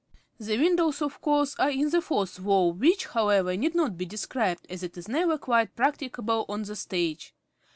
The windows, of course, are in the fourth wall, which, however, need not be described, as it is never quite practicable on the stage.